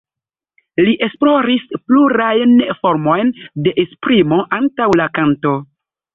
Li esploris plurajn formojn de esprimo antaŭ la kanto.